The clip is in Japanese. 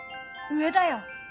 上だよ！